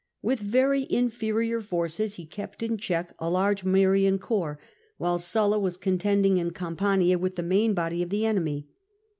With very inferior forces he kept in check a large Marian corps, while Sulla 'contending in Campania with the main body of the enemy.